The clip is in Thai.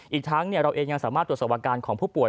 อีกทั้งเราเองยังสามารถตรวจสอบอาการของผู้ป่วย